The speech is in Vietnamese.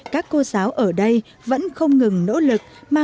các cô giáo ở đây vẫn không ngừng nỗ lực mà